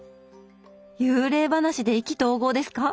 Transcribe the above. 幽霊話で意気投合ですか？